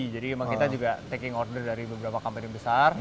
jadi memang kita juga taking order dari beberapa company yang besar